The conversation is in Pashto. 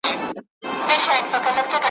چي زر چیغي وي یو ستونی زر لاسونه یو لستوڼی ,